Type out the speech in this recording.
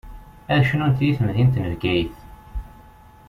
Ad cnunt di temdint n Bgayet.